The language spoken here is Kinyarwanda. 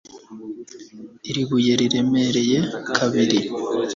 Iri buye riremereye kabiri